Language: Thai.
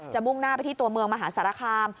มุ่งหน้าไปที่ตัวเมืองมหาสารคาม